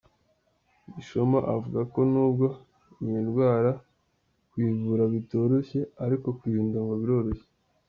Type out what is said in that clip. Gishoma avuga ko n’ubwo iyindwara kuyivura bitoroshye, ariko kuyirinda ngo biroroshye.